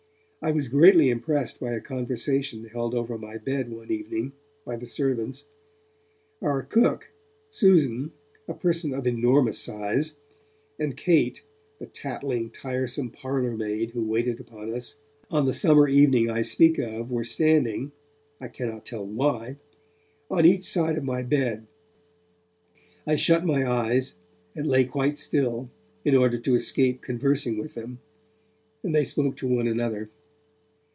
I was greatly impressed by a conversation held over my bed one evening by the servants. Our cook, Susan, a person of enormous size, and Kate, the tattling, tiresome parlour maid who waited upon us, on the summer evening I speak of were standing I cannot tell why on each side of my bed. I shut my eyes, and lay quite still, in order to escape conversing with them, and they spoke to one another.